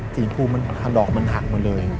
สีฟูมันถลอกมันหักหมดเลย